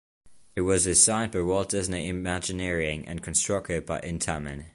It was designed by Walt Disney Imagineering and constructed by Intamin.